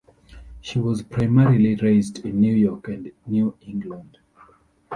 She was primarily raised in New York and New England.